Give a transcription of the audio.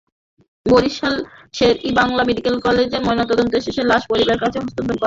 Barishal Sher-e-Bangla medical কলেজে ময়নাতদন্ত শেষে লাশ পরিবারের কাছে হস্তান্তর করা হয়েছে।